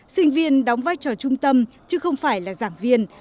sinh viên đóng vai trò trung tâm chứ không phải là giảng viên